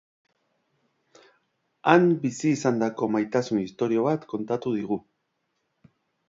Han bizi izandako maitasun istorio bat kontatu digu.